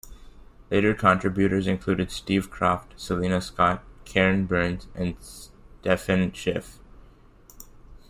Later contributors included Steve Kroft, Selina Scott, Karen Burnes and Stephen Schiff.